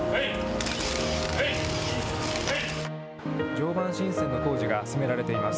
常磐新線の工事が進められています。